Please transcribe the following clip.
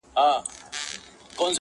ول کمک را سره وکړه زما وروره,